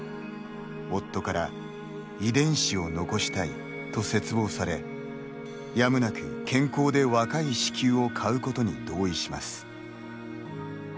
夫から遺伝子を残したいと切望されやむなく健康で若い子宮を買うことに同意します。